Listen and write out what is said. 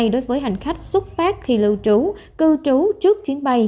đối với hành khách xuất phát khi lưu trú cư trú trước chuyến bay